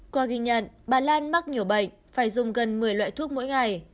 qua ghi nhận bà lan mắc nhiều bệnh phải dùng gần một mươi loại thuốc mỗi ngày